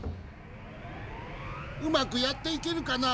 うまくやっていけるかな？